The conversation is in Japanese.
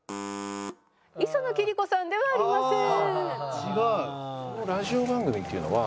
磯野貴理子さんではありません。